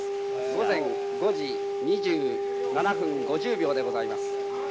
午前５時２７分５０秒でございます。